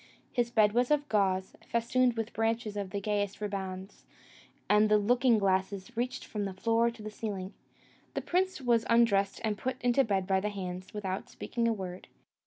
His bed was of gauze, festooned with bunches of the gayest ribands, and the looking glasses reached from the floor to the ceiling. The prince was undressed and put into bed by the hands, without speaking a word.